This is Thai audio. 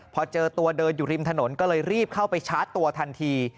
พอเจอตัวเดินอยู่ริมถนนก็เลยรีบเข้าไปชาร์จตัวทันที